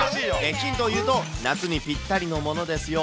ヒントを言うと夏にぴったりのものですよ。